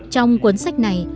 trong cuốn sách này